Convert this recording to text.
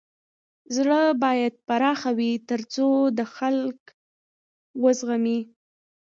زړه بايد پراخه وي تر څو د خلک و زغمی.